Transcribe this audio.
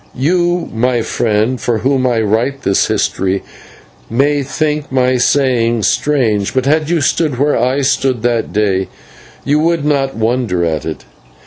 You, my friend, for whom I write this history, may think my saying strange, but had you stood where I stood that day you would not wonder at it.